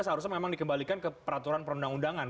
seharusnya memang dikembalikan ke peraturan perundang undangan